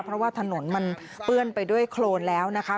เพราะว่าถนนมันเปื้อนไปด้วยโครนแล้วนะคะ